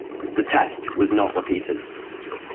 The test was not repeated.